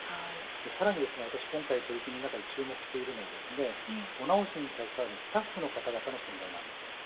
さらに今回、取り組みの中で注目しているのがお直しに携わるスタッフの方の存在です。